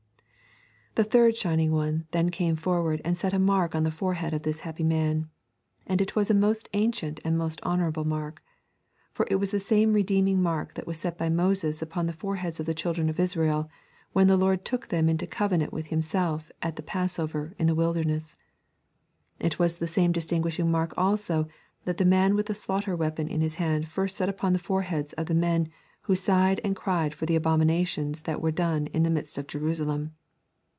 The third Shining One then came forward and set a mark on the forehead of this happy man. And it was a most ancient and a most honourable mark. For it was the same redeeming mark that was set by Moses upon the foreheads of the children of Israel when the Lord took them into covenant with Himself at the Passover in the wilderness. It was the same distinguishing mark also that the man with the slaughter weapon in his hand first set upon the foreheads of the men who sighed and cried for the abominations that were done in the midst of Jerusalem.